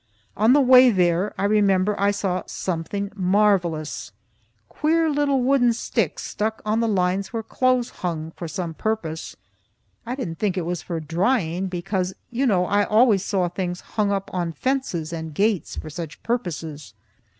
On the way there, I remember, I saw something marvellous queer little wooden sticks stuck on the lines where clothes hung for some purpose. (I didn't think it was for drying, because you know I always saw things hung up on fences and gates for such purposes.